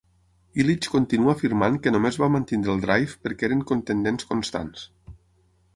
Ilitch continua afirmant que només va mantenir el Drive perquè eren contendents constants.